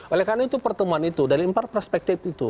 oleh karena itu pertemuan itu dari empat perspektif itu